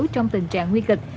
trong tình trạng nguy kịch